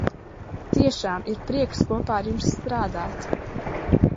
Tiešām ir prieks kopā ar jums strādāt!